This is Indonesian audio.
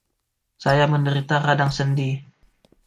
Saya menderita radang sendi.